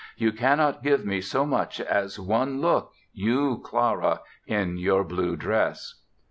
You cannot give me so much as one look, you, Clara, in your blue dress!"